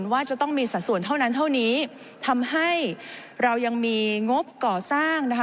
ว่าจะต้องมีสัดส่วนเท่านั้นเท่านี้ทำให้เรายังมีงบก่อสร้างนะคะ